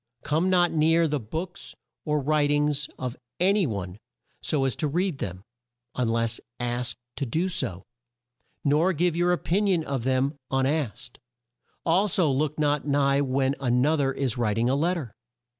Come not near the books or wri tings of a ny one so as to read them, un less asked to do so, nor give your o pin ion of them un asked; al so look not nigh when an o ther is wri ting a let ter.